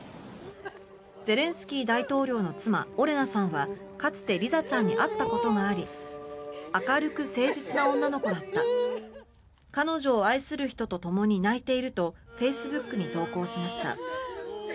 ゼレンスキー大統領の妻オレナさんはかつてリザちゃんに会ったことがあり明るく誠実な女の子だった彼女を愛する人とともに泣いているとフェイスブックに投稿しました。